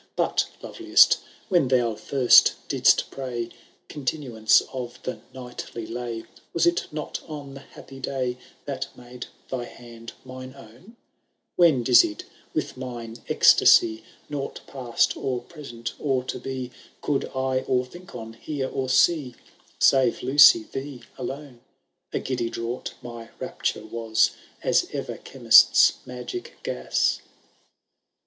But, loveliest, when thou first didst pray Continuance of the knightly lay, Was it not on the happy day That made thy hand mine own ? When, dizzied with mine ecstasy. Nought past, or present, or to be. Could I or think on, hear, or see. Save, Lucy, thee alone ! A giddy draught my rapture was. As ever chemist^s magic gas.